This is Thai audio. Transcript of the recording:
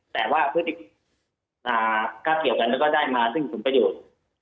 แต่ว่าเพื่อที่คาดเกี่ยวกันแล้วก็ได้มาซึ่งสมประโยชน์